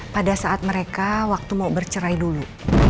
pada saat mereka waktu mau bercerai dulu